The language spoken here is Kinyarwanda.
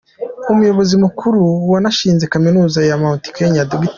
Umuyobozi Mukuru wanashinze Kaminuza ya Mount Kenya, Dr.